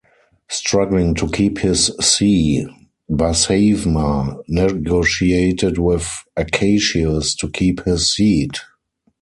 Struggling to keep his see, Barsawma negotiated with Acacius to keep his seat.